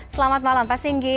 selamat malam pak singgi